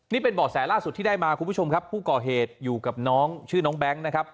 นี่เป็นบ่อแสล่าสุดที่ได้มาคุณผู้ชมครับผู้ก่อเหตุอยู่กับน้องชื่อน้องแบงค์นะครับ